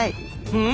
うん？